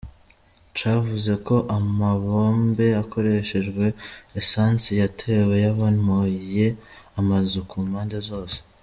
Cavuze ko amabombe akoreshejwe esansi yatewe, yabomoye amazu ku mpande zose.